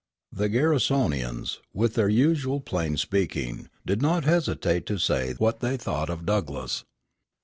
The Garrisonians, with their usual plain speaking, did not hesitate to say what they thought of Douglass.